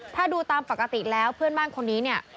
ถ้าดูตามปกติแล้วเพื่อนบ้านคนนี้เนี่ย